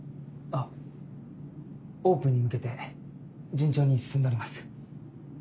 あっオープンに向けて順調に進んでおります。